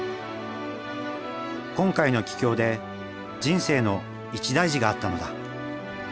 今回の帰郷で人生の一大事があったのだ。